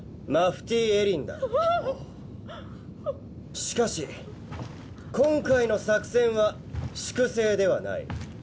しかし今回の作戦は粛清ではない。